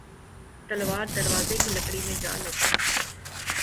تلوار دروازے کی لکڑی میں جا لگی